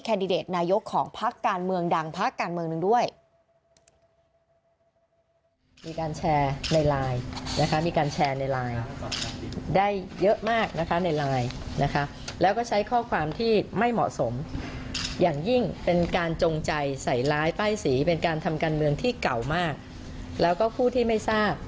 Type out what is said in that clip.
แคนดิเดตนายกของภาคการเมืองดังภาคการเมืองนึงด้วย